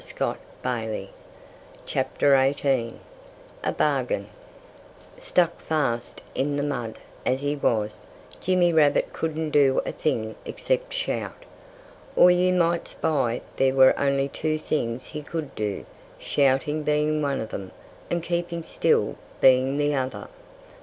A BARGAIN Stuck fast in the mud as he was, Jimmy Rabbit couldn't do a thing except shout. Or you might spy there were only two things he could do shouting being one of them, and keeping still being the other.